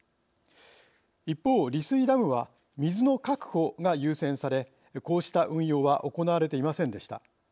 一方利水ダムは水の確保が優先されこうした運用は行われていませんでした。